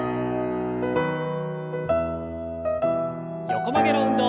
横曲げの運動。